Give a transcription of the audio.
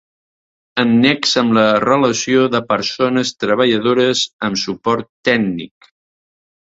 Annex amb la relació de persones treballadores amb suport tècnic.